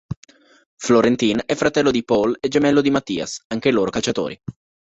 Florentin è fratello di Paul e gemello di Mathias, anche loro calciatori.